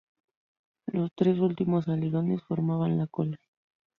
Los tres últimos alerones formaban la cola.